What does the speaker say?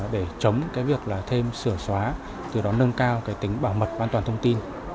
để chống việc thêm sửa xóa từ đó nâng cao tính bảo mật an toàn thông tin